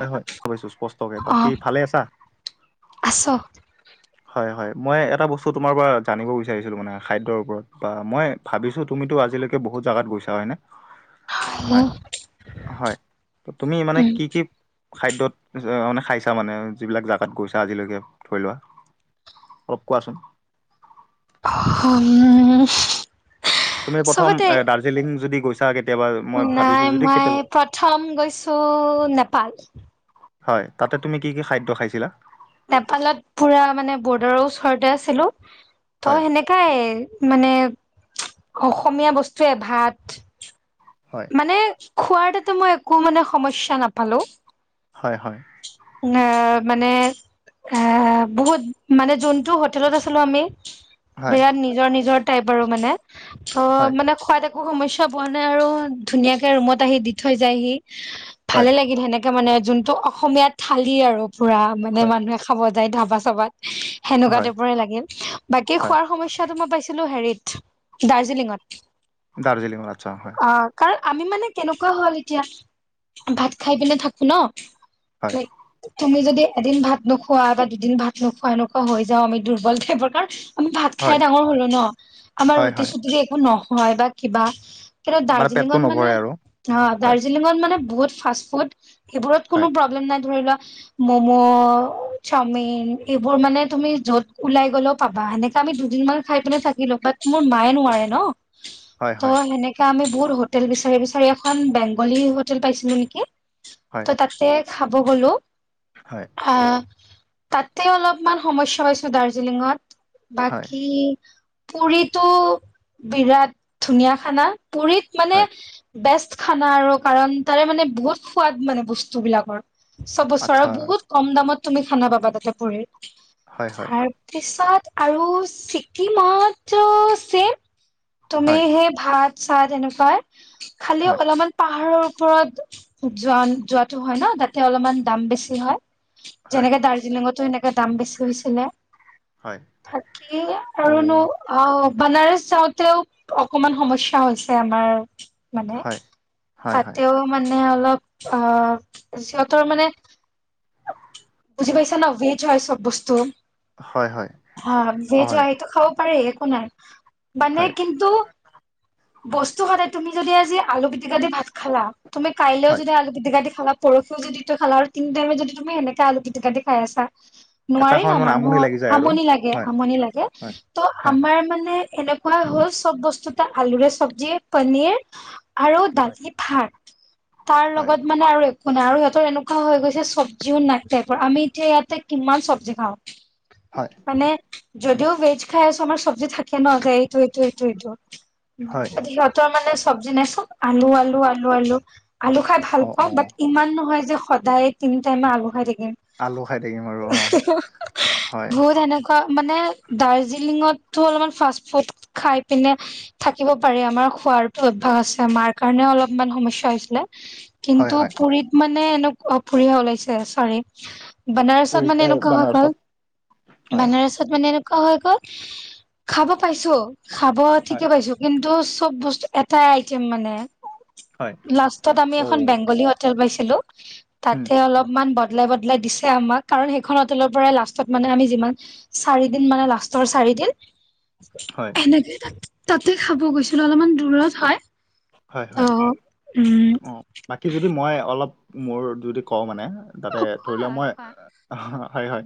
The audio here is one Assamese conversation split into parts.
হয় হয় শুনিছোঁ স্পষ্টকে। বাকি ভালে আছা? আছ? হয় হয় মই এটা বস্তু তোমাৰ পৰা জানিব বিচাৰিছিলোঁ মানে খাদ্যৰ ওপৰত বা মই ভাবিছো তুমিটো আজিলৈকে বহুত জাগাত গৈছা হয়নে? [inaudible] হয় হয় তুমি মানে উম, কি কি? খাদ্যত মানে খাইছা মানে যিবিলাক জাগাত গৈছা আজিলৈকে ধৰি লোৱা। অলপ কোৱাচোন? [unintelligible] তুমি প্ৰথম চবতে দাৰ্জিলিং যদি গৈছা। কেতিয়াবা মই ভাবিছো নাই যদি মই কেতিয়াবা প্ৰথম গৈছো নেপাল। হয় তাতে তুমি কি কি খাদ্য খাইছিলা? নেপালত পুৰা মানে বৰ্ডাৰৰ ওচৰতে আছিলো, হয় ত' সেনে কাই মানে অসমীয়া বস্তুৱে ভাত। হয় মানে খোৱাৰ তাতে মই একো মানে সমস্যা নাপালো। হয় হয়। উম মানে এ বহুত মানে যোনটো হোটেলত আছিলো আমি। হয় বিৰাট নিজৰ নিজৰ টাইপ আৰু মানে, ত' হয় মানে খোৱাত এ কো সমস্যা পোৱা নাই আৰু ধুনীয়াকে ৰুমত আহি দি থৈ যায়হি। হয় ভালে লাগিল সেনেকে মানে যোনটো অসমীয়া থালি আৰু পুৰা মানে হয় মানুহে খাব। যায় ধাবা চাবাত সেনেকুৱা হয় টাইপৰে লাগিল। বাকি হয় খোৱাৰ সমস্যাটো মই পাইছিলো হেৰিত দাৰ্জিলিঙত। দাৰ্জিলিংৰ আচ্ছা হয়। অ কাৰণ আমি মানে কেনেকুৱা হল এতিয়া ভাত খাই পিনে থাকো ন হয় [inaudible] তুমি যদি এদিন ভাত নোখোৱা বা দুদিন ভাত নোখোৱা এনেকুৱা হৈ যাওঁ আমি দুৰ্বল টাইপৰ কাৰ আমি ভাত খাই হয় ডাঙৰ হলো ন আমাৰ হয় ৰুটি হয় চুটিৰে একো নহয় বা কিবা। কি মানে পেটটো দাৰ্জিলিংৰ মানে নভৰে আৰু অ হয় দাৰ্জিলিঙত মানে বহুত ফাষ্ট ফুড, সেইবোৰত কোনো হয় প্ৰব্লেম নাই ধৰি লোৱা ম'ম', চাওমিন এইবোৰ মানে তুমি য'ত ওলাই গ'লেও পাবা এনেকে আমি দুদিন মান খাই পিনে থাকিলো বাট মোৰ মায়ে নোৱাৰে ন, হয় হয় ত' সেনে আমি বহুত হোটেল বিচাৰি বিচাৰি এখন বেংগলী হোটেল পাইছিলো নেকি। হয়। ত' তাতে খাব গলো। হয়। আহ তাতে অলপমান সমস্যা পাইছো দাৰ্জিলিঙত। হয় বাকি পুৰিতটো বিৰাট ধুনীয়া খানা, পুৰিত মানে হয় বেষ্ট খানা আৰু কাৰণ তাৰে মানে বহুত সোৱাদ মানে বস্তু বিলাকৰ। চবছৰৰ আচ্ছা বহুত কম দামত তুমি খানা পাবা তাতে ফুৰি হয় হয় পিছত আৰু ছটিমত চেম। তুমি হয় সেই ভাত, চাত এনেকুৱা খালি হয় অলপমান পাহাৰৰ ওপৰত যোৱা, যোৱাটো হয় ন তাতে অলপমান দাম বেছি হয় হয় যেনেকে দাৰ্জিলিং ৰ্জিলিংতো এনেকে দাম বেছি হৈছিলে হয় থাকি অ আৰু নো অ বানাৰস যাওঁতেও অকমান সমস্যা হৈছে আমাৰ। মানে হয় হয় হয় তাতেও মানে অলপ অ। সিহঁতৰ মানে বুজি পাইছা না, ভেজ হয় চব বস্তু। হয় হয় হা ভেজ হয় সটো খাব পাৰি একো নাই। মানে হয় কিন্তু, বস্তু সদায় তুমি যদি আজি আলু পিটিকা দি ভাত খালা তুমি কাইলেও হয় যদি আলু দি খালা পৰখিও যদি তই খালা আৰু তিন টাইম যদি তুমি সেনেকে আলু পিটিকা দি খাই আছা। এটা নোৱাৰি ন সময়ত মানে আমনি মানুহৰ লাগি যায় আৰু আমনি লাগে, হয় আমনি লাগে। হয় ত হয় আমাৰ মানে এনেকুৱা হ'ল চব বস্তু তা আলুৰে চব্জি পনিৰ আৰু হয় দালি ভাত তাৰ হয় লগত মানে আৰু এক- শুনা আৰু সিহঁত এনেকুৱা হৈ গৈছে চব্জিও নাইক টাইপৰ আমি এতিয়া ইয়াতে কিমান চব্জি খাওঁ। [inaudible] হয়। মানে যদিও ভেজ খাই আছো আমাৰ চব্জি থাকে ন এইটো এইটো, এইটো, এইটো। হয় সিহঁতৰ মানে চব্জি নাই চব আলু, আলু, আলু, আলু, আলু খাই ভাল অ অ পাওঁ বাট ইমান নহয় যে সদায় তিনি টাইমে আলু খাই থাকিম। আলু খাই থাকিম আৰু অ [unintelligible] হয় বহুত এনেক- মানে দাৰ্জিলিঙতো অলপমান ফাষ্ট ফুড খাই পিনে থাকিব পাৰে, আমাৰ খোৱাৰ অভ্যাস আছে মাৰ কাৰণে অলপমান সমস্যা হৈছিলে। হয় কিন্তু হয় পুুৰীত মানে এনেক পুৰিহে ওলাইছে চৰি। বনাৰসত উৰি মানে এনেকুৱা হয় বানাৰসত ক হয় বানাৰস তাত মানে এনেকুৱা হৈ গ'ল, খাব পাইছো, খাব হয় ঠিকে পাইছো। কিন্তু চব বস্তু এটাই আইটেম মানে হয় লাষ্টত আমি অ এখন বেংগলী হট- টেল পাইছিলোঁ উম তাতে অলপমান ব- বদলাই, বদলাই দিছে আমাক কাৰণ সেইখন হোটেলৰ পৰাই লাষ্টত মানে আমি যিমান চাৰিদিন মানে, লাষ্টৰ চাৰিদিন। হয়। এনেকে তাত তাতে খাব গৈছিলো অলপমান দূৰত হয়। হয় ত হয় উম অ। বাকী যদি মই অলপ মোৰ যদি কওঁ মানে তাতে অ খোৱা ধৰি লওক মই খোৱা আহা হয় হয়।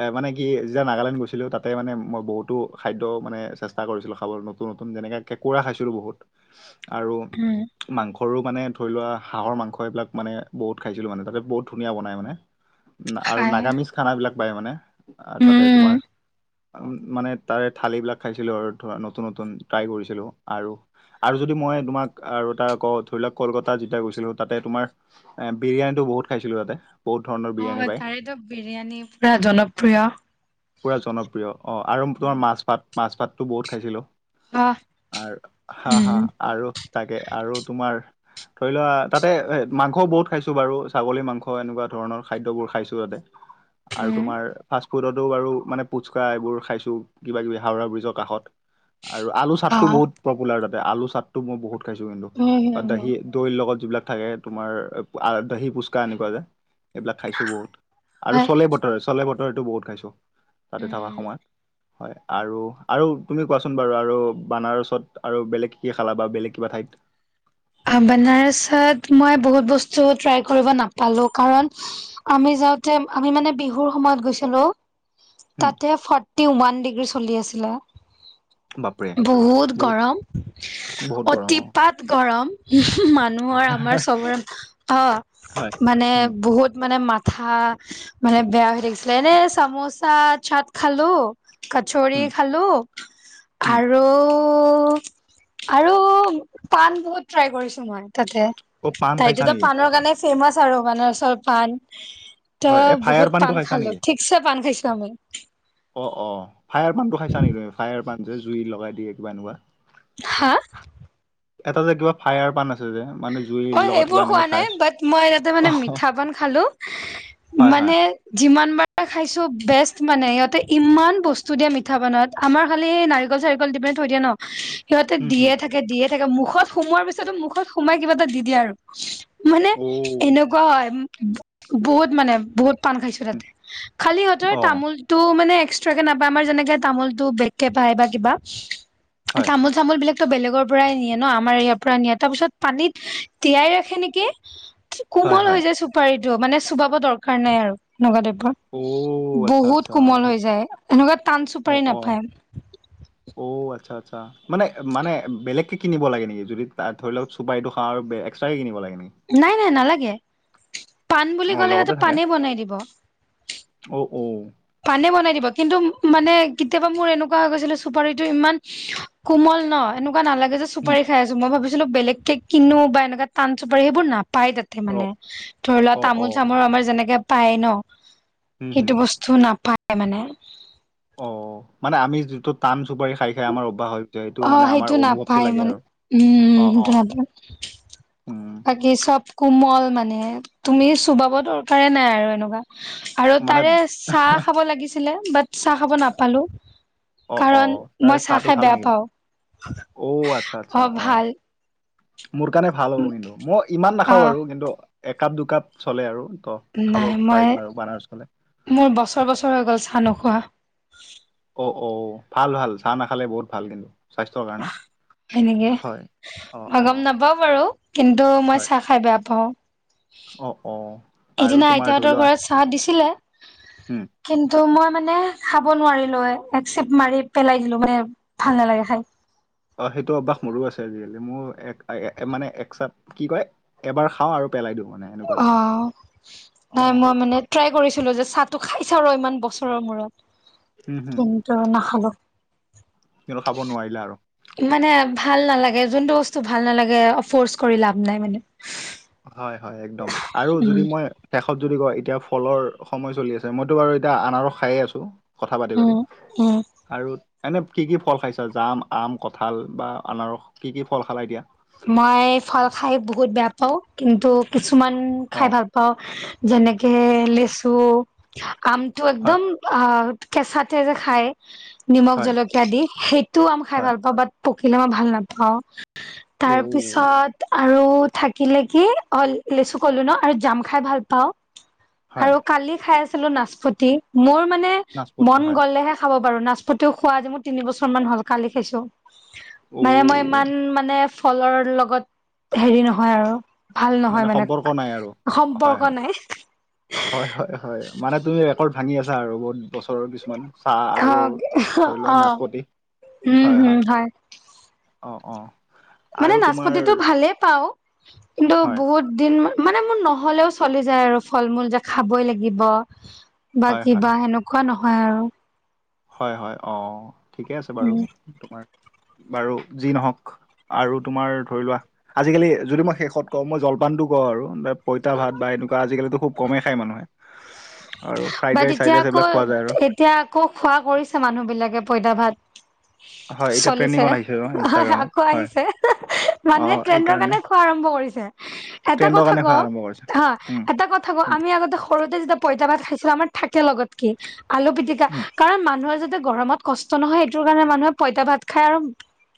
এ মানে কি যেতিয়া নাগালেণ্ড গৈছিলো তাতে মানে মই বহুতো খাদ্য মানে চেষ্ট- টা কৰিছিলো খাবলৈ নতুন, নতুন যেনে কেঁকুৰা খাইছিলো বহুত। [inaudible] আৰু উম মাং- সৰু মানে ধৰি লোৱা হাঁৰ মাংস, এইবিলাক মানে বহুত খাইছিলো মানে তাতে বহুত ধুনীয়া বনাই মানে। আৰু খাই নাগামিজ খানাবিলাক পায় মানে তাতে উম তোমাৰ। মানে তাৰে থালি বিলাক খাইছিলো আৰু ধৰা নতুন, নতুন ট্ৰাই কৰিছিলো আৰু, আৰু যদি মই তোমাক আৰু এটা ক ধৰি লওক কলকাতা যেতিয়া গৈছিলো তাতে তোমাৰ এ বিৰিয়ানী বহুত খাইছিলো ইয়াতে। অ তাৰেতো বিৰিয়ানী পুৰা জনপ্ৰিয়। পুৰা জনপ্ৰিয় অ আৰু তোমাৰ মাছ পাত মাছ পাততো বহুত খাইছিলো। আৰ হা, হা উম আৰু তাকে আৰু তোমাৰ ধৰি লোৱা তাতে এ মাংস বহুত খাইছো বাৰু ছাগলী মাংস এনেকুৱা ধৰণৰ খাদ্যবোৰ খাইছো তাতে। [inaudible] আৰু তোমাৰ ফাষ্ট ফুডতো বাৰু মানে পুচকা, এইবোৰ খাইছো কিবা কিবি হাওৰা ব্ৰিজৰ কাষত। আৰু আলু অ চাটটো বহুত পপুলাৰ তাতে আলু চাটটো মই বহুত খাইছো কিন্তু। উম দা উম দাহিয়ে দৈৰ লগত যিবিলাক থাকে তোমাৰ আ দহি ফুচকা এনেকুৱা যে এইবিলাক খাইছোঁ বহুত। আৰু হয় চলে বতৰে, চলে বতৰেটো বহুত খাইছো তাতে থকা উম সময়। হয় আৰু, আৰু তুমি কোৱাচোন বাৰু আৰু বানাৰছত আৰু বেলেগ কি খালা বা বেলেগ কিবা ঠাইত। বনাৰসত মই বহুত বস্তু ট্ৰাই কৰিব নাপালোঁ কাৰণ- আমি যাওঁতে আমি মানে বিহুৰ সময়ত গৈছিলো। উম, তাতে ফৰ্টি ওৱান ডিগ্ৰী চলি আছিলে। বাপৰে বহুত গৰম, বহুত গৰম অ'। অতিপাত গৰম। মানুহৰ আমাৰ চবৰে অ হয় মানে উম, বহুত মানে মাত- ঠা মানে বেয়া হৈ থাকিছিলে এনে চামোচা চাট খালো। কচৰি উম, খালো। উম, আৰু আৰু পাণ বহুত ট্ৰই কৰিছোঁ, মই তাতে। অ' পাণ খাইছা তাইতো ত' নেকি? পাণৰ কাৰণে ফেমাচ আৰু বানাৰসৰ পাণ। হয় এই ত' ফায়াৰ বহুত পাণটো পাণ খাইছা খালোঁ। নেকি? ঠিক ঠিকছে, পাণ খাইছোঁ, আমি। অ' অ'! ফায়াৰ পাণটো, খাইছা নেকি? তুমি ফায়াৰ পাণ যে, জুই লগাই দিয়ে, কিবা এনেকুৱা। হা? এটা যে, কিবা ফায়াৰ পাণ আছে যে, মানে। জুইৰ অ'! লগত কিবা সেইবোৰ এনেকে খোৱা খাই নাই। আছো বাত, মই তাতে অ মানে, মিঠাপাণ খালোঁ। হয় হয় মানে যিমান বাৰ খাইছোঁ, বেষ্ট মানে। সিহঁতে, ইমান বস্তু দিয়ে, মিঠা পাণত। আমাৰ খালি, নাৰিকল- চাৰিকল দি পিনে, থৈ দিয়ে ন'। সিহঁতে, উম দিয়ে হম থাকে, দিয়ে থাকে। মুখত সোমোৱাৰ পিছতো, মুখত সোমাই, কিবা এটা দি দিয়ে, আৰু। মানে, অ এনেকুৱা হয়, বহুত মানে, বহুত। পাণ খাইছোঁ উম, তাতে। খালি, সিহঁতৰ অ তামোল তামোলটো মানে, এক্সট্ৰাকে নাপাই। আমাৰ যেনেকে, তামোলটো বেলেগকে পাই বা কিবা। হয় তামোল বিলাকতো, বেলেগৰ পৰাই নিয়ে ন'। আমাৰ, ইয়াৰ পৰা নিয়ে। তাৰপিছত, পানীত তিয়াই ৰাখে নেকি? হয় কোমল হয় হৈ যায়, চোন। পাৰিতো। মানে, চুবাব দৰকাৰ নাই আৰু নগা টাইপৰ অ আচ্ছা বহুত আচ্ছা কোমল হৈ সেই- যায়। এনেকুৱা, টান অ চুপাৰি অ নাপায়। অ'! আচ্ছা, আচ্ছা। মানে, মানে বেলেগকে কিনিব লাগে, নেকি? যদি, ধৰি লওঁক, চুপাৰীটো খাওঁ আৰু এক্সট্ৰাকে, কিনিব লাগে, নেকি? নাই, নাই, নালাগে। পাণ বুলি অ'! ক'লে লগতে সিহঁতে থাকে। পাণেই বনাই দিব ঔ, ঔ। পাণে বনাই দিব। কিন্তু মানে, কেতিয়াবা মোৰ, এনেকুৱা হৈ গৈছিলে, চুপাৰীটো ইমান কোমল ন'? এনে এনেকুৱা নালাগে যে, উম, চুপাৰী খাই আছোঁ। মই ভাবিছিলোঁ! বেলেগ কে কিনো বা এনেকুৱা, টান চুপাৰী, সেইবোৰ নাপায়, তাত। অ মানে, ধৰি লোৱা, অ অ তামোল- চামোল আমাৰ যেনেকে পায়, ন'। হম সেইটো হম বস্তু নাপায়, মানে। অ'! মানে, আমি যিটো, টান চুপাৰী খাই-খাই, আমাৰ অভ্যাস হয়। অ'! সেইটো নাপায়, মানে। উম! অ অ সেইটো নাপায়। উম বাকী, চব কোমল মানে, তুমি চোবাব দৰকাৰে নাই আৰু এনেকুৱা। আৰু মানে তাৰে, চাহ খাব লাগিছিলে। বাত চাহ খাব নাপালোঁ। অ অ কাৰণ, তাৰ মই চাহ চাহটো খাই ভাল বেয়া নেকি পাওঁ। অ'! আচ্ছা, আচ্ছা। অ'! মোৰ কাৰণে, ভাল হ'ব, কিন্তু। মইয়ো, ইমান অ নাখাওঁ বাৰু। কিন্তু, একাপ- দুকাপ চলে আৰু। ত' খাব নাই মই পাৰিম বাৰু বানাৰস ফালে। মোৰ, বছৰ-বছৰ হৈ গ'ল, চাহ নোখোৱা। অ' অ'! ভাল-ভাল, চাহ নাখালে, বহুত ভাল! কিন্তু। স্বাস্থ্যৰ কাৰণে এনেকে, হয় অ' মই গম অ' নাপাওঁ বাৰু। কিন্তু, মই হয় চাহ খাই বেয়া পাওঁ। অ' অ'! আৰু এদিনা, তোমাৰ ধৰি আইতাহঁতৰ লোৱা ঘৰত চাহ দিছিলে। উম! কিন্তু, মই মানে, খাব নোৱাৰিলোঁ। এক চিপ মাৰি, পেলাই দিলোঁ। মানে, ভাল নালাগে খাই। অ'! সেইটো, অভ্যাস মোৰো, আছে। আজিকালি, মোৰ এক মানে, এক চাপ কি কয়? এবাৰ খাওঁ আৰু পেলাই, দিওঁ মানে। এনেকুৱা টাইপৰ অ'! নাই, অ' মই মানে, ট্ৰাই কৰিছিলোঁ যে, চাহটো খাইছাওঁ ৰ'। ইমান, বছৰৰ মূৰত, হম হম কিন্তু, নাখালোঁ। কিন্তু, খাব নোৱাৰিলা আৰু? মানে, ভাল নালাগে। যোনটো, বস্তু ভাল নালাগে, ফৰ্চ কৰি লাভ নাই, মানে। হয়, হয়, একদম। আৰু যদি, উম মই শেষত, যদি কয়! এতিয়া, ফলৰ সময়, চলি আছে। মইতো বাৰু এতিয়া, আনাৰস খাইয়ে আছোঁ। কথা পাতি উম পাতি উম আৰু এনে কি কি ফল খাইছা জাম আম কঁঠাল বা আনাৰস কি কি ফল খালা এতিয়া মই ফাল খাই বহুত বেয়া পাওঁ কিন্তু কিছুমান অ খাই ভাল পা পাও‌ যেনেকে লেচু আমটো হয় একদম অ কেঁচাতে যে খায় নিমখ হয় জলকীয়া দি সেই টো আম খাই হয় ভাল পাওঁ বাট পকিলে মই ভাল নাপাওঁ অ তাৰ পিছত তাত আৰু থাকিলে কি অ লেচু কলো ন আৰু জাম খাই ভাল পাওঁ হয় আৰু কালি খাই আছিলো নাচপতি মোৰ মানে নাচপতি মন হয় গলেহে খাব পাৰো নাচপতিও খোৱা আজি মোৰ তিনিবছৰ মান হ'ল কালি খাইছো অ মানে মই ইমান মানে ফলৰ লগত হেৰি নহয় আৰু ভাল নহয় মানে সম্পৰ্ক নাই আৰু হয় সম্পৰ্ক হয় নাই হয় হয় হয় মানে তুমি ৰেকৰ্ড ভাঙি আছা আৰু বহত বছৰৰ কিছুমান চাহ আৰু অ ধৰি লোৱা অ' নাচপতি উম হয় হম হয় অঁ অঁ মানে নাচপতি টো ভালেই পাওঁ কিন্তু হয় বহুত দিন মানে মোৰ নহ'লেও চলি যায় আৰু ফল মূল যে খাবই লাগিব বা হয় হয় কিবা সেনেকুৱা নহয় আৰু হয় হয় অ ঠিকে আছে বাৰু উম তোমাৰ বাৰু যি নহক আৰু তোমাৰ ধৰি লোৱা আজিকালি যদি মই শেষত কওঁ মই জলপানটো কওঁ আৰু বাত পইতা ভাত বা এনেকুৱা আজিকালিতো খুব কমেই খায় মানুহে আৰু ফ্ৰাইড বাট ৰাইচ এতিয়া চ্ৰাইড ৰাইচ আকৌ এইবিলাক খোৱা যায় আৰু এতিয়া আকৌ খোৱা কৰিছে মানুহ বিলাকে পইতা ভাত হয় এতিয়া চলিছে ট্ৰেণ্ডিঙত হয় আহিছে ন ইনষ্টাগ্ৰামত আকৌ হয় আহিছে মানুহে অ' ট্ৰেডৰ এইকাৰণে কাৰণে খোৱা আৰম্ভ কৰিছে এটা ট্ৰেণ্ডৰ কথা কাৰণে খোৱা কও আৰম্ভ কৰিছে হা উম এটা কথ থাকোঁ উম আমি আগতে সৰুতে যেতিয়া পইতা ভাত খাইছো আমাৰ থাকে লগত কি আলু পিটিকা উম কাৰণ মানুহে যদি গৰমত কষ্ট নহয় সেইটোৰ কাৰণে মানুহে পইতা ভাত খায় আৰু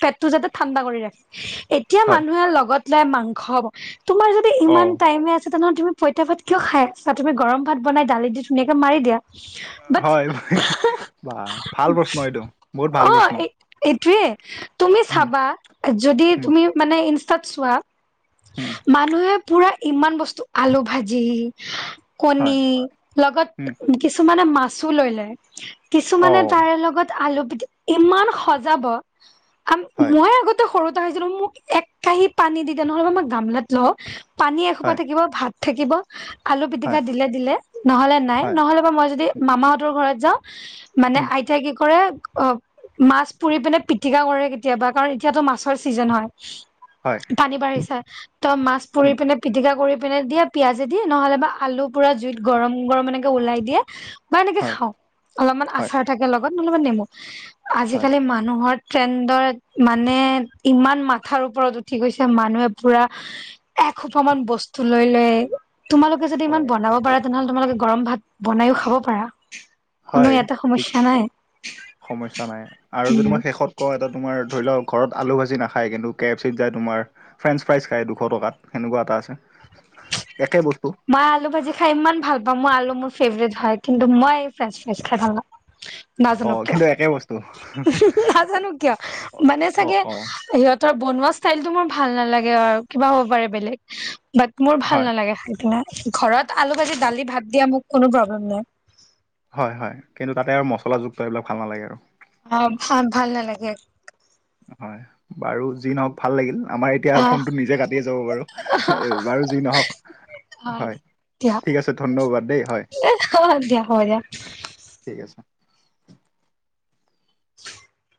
পেটটো যাতে ঠাণ্ডা কৰি ৰাখে এতিয়া হয় মানুহে লগত লয় মাংস খাব তোমাৰ যদি ইমান অ' টাইমে আছে তেনেহ'লে তুমি পইতা ভাত কিয় খাই আছা তুমি গৰম ভাত বনাই দালি দি ধুনিয়াকে মাৰি দিয়া বাট হয় বা ভাল প্ৰশ্ন এইটো বহুত ভাল প্ৰশ্ন এইটোৱে তুমি উম চাবা যদি উম তুমি মানে ইনষ্টাত চোৱা ওম মানুহে পুৰা ইমান বস্তু আলু ভাজি হয় কণী লগত উম কিছুমানে মাছো লৈ লয় কিছুমানে অ' তাৰে লগত আলু পিটি ইমান সজাব আ হয় মই আগত সৰুতে খাইছিলো মোক এক কাঁহি পানী দি দে নহ'লে মই গামলাত লওঁ পানী এসোপা হয় থাকিব ভাত থাকিব আলু পিতিকা হয় দিলে দিলে নহলে নাই হয় নহলে বা মই যদি মামাহঁতৰ ঘৰত যাওঁ মানে উম আইতাই কি কৰে অ মাছ পুৰি পিনে পিটিকা কৰে কেতিয়াবা কাৰণ এতিয়াত মাছৰ ছিজন হয় হয় পানী বাঢ়িছে ত মাছ পুৰি উম, পিনে পিটিকা কৰি পিনে দিয়ে পিয়াজেদি নহ'লে বা আলু পুৰা জুইত গৰম গৰম এনেকে ওলাই দিয়ে মই এনেকে হয়, খাওঁ অলপমান হয়, আচাৰ থাকে লগ লগত মোৰ লগত নেমু হয়। আজিকালি মানুহৰ ট্ৰেণ্ডত মানে ইমান মাথাৰ ওপৰত উঠি গৈছে মানুহে পুৰা একসোপা মান বস্তু লৈ লয় তোমালোক কে যদি ইমান অ', বনাব পাৰা তেনেহ'লে তোমালোকে গৰম ভাত বনায়ো খাব পাৰা কোনো হয় ইয়াতে ঠিক সমস্যা নাই সমস্যা নাই আৰু যদি উম মই শেষত কও এটা তোমাৰ ধৰি ল ঘৰত আলু ভাজি নাখায় কিন্তু কে এফ চিত যায় তোমাৰ ফ্ৰেঞ্চ ফ্ৰাইজ খাই দুশ টকাত সেনেকুৱা এটা আছে একে বস্তু মই আলু ভাজি খাই ইমান ভাল পাওঁ মই আলু মোৰ ফেভৰেট হয় কিন্তু মই ফ্ৰেঞ্চ ফ্ৰাইজ খাই ভাল নাপাও। নাজানো অ', কিয় কিন্তু একে বস্তু। নাজানো কিয় অ', মানে অ', চাগে অ সিহঁত। ত বনোৱা ষ্টাইলতটো মোৰ ভাল নালাগে, আৰু কিবা হ'ব পাৰে বেলেগ বাত মোৰ ভাল হয়, নালাগে খাই ঘৰত আলু ভাজি দালি ভাত দিয়া মোৰ কোনো প্ৰব্লেম নাই। হয় -হয় কিন্তু তাতে আৰু মছলাযুক্ত এইবিলাক ভাল নালাগে আৰু। অ' ভ ভাল নালাগে হয় বাৰু যি নহওক ভাল লাগিল আমাৰ এই। এতিয়া আহ ফোনটো নিজে কাটিয়ে যাব বাৰু বাৰু যি নহওক। আহ হয় ঠিক আছে ধন্যবাদ দেই হয়। অ' দিয়া হ'ব দিয়া ঠিক আছে। [inaudible]